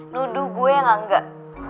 nuduh gue gak gak